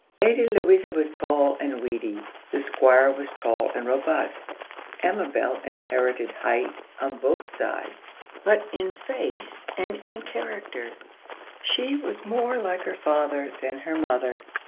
Lady Louisa was tall and weedy; the Squire was tall and robust. Amabel inherited height on both sides, but in face and in character she was more like her father than her mother.